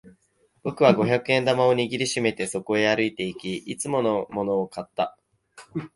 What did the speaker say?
僕は五百円玉を握り締めてそこへ歩いていき、いつものものを買った。